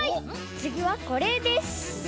つぎはこれです。えっ？